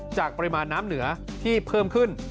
ปริมาณน้ำเหนือที่เพิ่มขึ้น